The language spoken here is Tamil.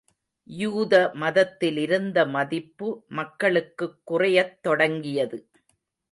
யூத மதத்திலிருந்த மதிப்பு மக்களுக்குக் குறையத் தொடங்கியது.